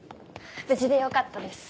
無事でよかったです。